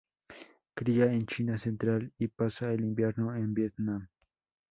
Cría en China central, y pasa el invierno en Vietnam.